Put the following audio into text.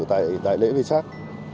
tại lễ vệ sát